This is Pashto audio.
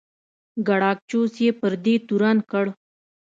ګراکچوس یې پر دې تورن کړ.